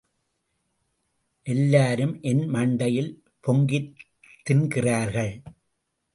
எல்லாரும் என் மண்டையில் பொங்கித் தின்கிறார்கள்.